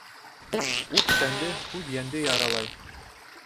Уҡ тәнде, һүҙ йәнде яралай.